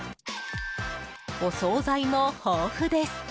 お総菜も豊富です。